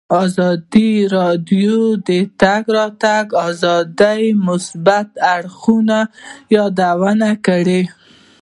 ازادي راډیو د د تګ راتګ ازادي د مثبتو اړخونو یادونه کړې.